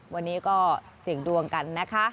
วันนี้ก็เสี่ยงดวงกันนะคะ